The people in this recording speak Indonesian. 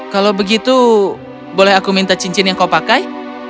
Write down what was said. kalau begitu boleh aku minta cincin yang kau pakai